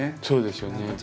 そうですよね。